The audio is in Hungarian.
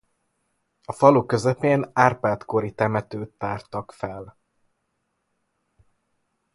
A falu közepén Árpád-kori temetőt tártak fel.